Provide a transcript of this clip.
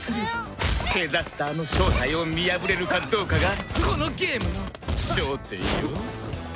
デザスターの正体を見破れるかどうかがこのゲームの焦点よ。